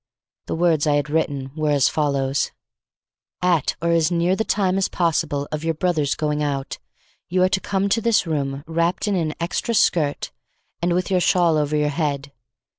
The words I had written were as follows: At or as near the time as possible of your brother's going out, you are to come to this room wrapped in an extra skirt and with your shawl over your head.